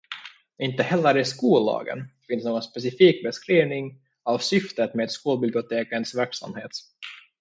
Inte heller i skollagen finns någon specifik beskrivning av syftet med skolbibliotekens verksamhet.